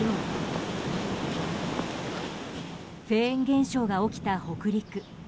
フェーン現象が起きた北陸。